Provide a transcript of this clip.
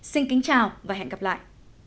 xin kính chào và hẹn gặp lại